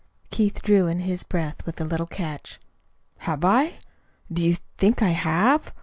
Keith drew in his breath with a little catch. "Have I? Do you think I have?